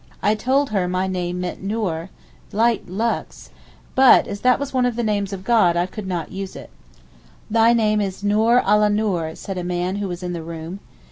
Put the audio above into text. I told her my name meant Noor (light—lux), but as that was one of the names of God I could not use it. 'Thy name is Noor ala Noor,' said a man who was in the room.